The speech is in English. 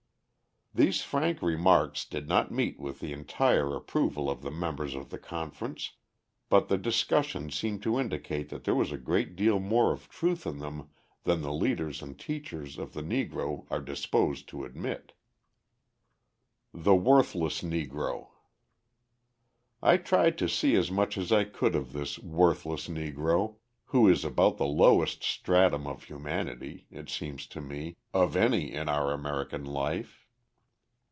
These frank remarks did not meet with the entire approval of the members of the conference, but the discussion seemed to indicate that there was a great deal more of truth in them than the leaders and teachers of the Negro are disposed to admit. The Worthless Negro I tried to see as much as I could of this "worthless Negro," who is about the lowest stratum of humanity, it seems to me, of any in our American life.